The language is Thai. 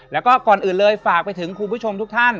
แล้วก็ก่อนอื่นเลยฝากไปถึงคุณผู้ชมทุกท่าน